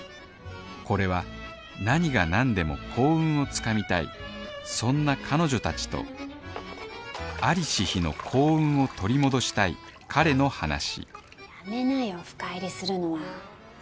これは何が何でも幸運を掴みたいそんな彼女たちと在りし日の幸運を取り戻したい彼の話やめなよ深入りするのは。